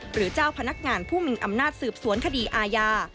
หรือเจ้าพนักงานผู้มีอำนาจสืบสวนคดีอาญา